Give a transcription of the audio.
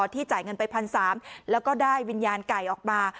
ที่จ่ายเงินไปพันสามแล้วก็ได้วิญญาณไก่ออกมา